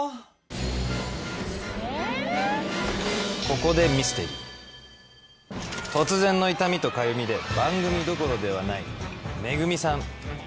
ここでミステリー突然の痛みとかゆみで番組どころではないめぐみさん